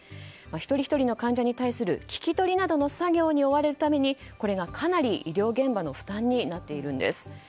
一人ひとりの患者に対する聞き取りなどの作業に追われるためにこれが医療現場の負担になっているんです。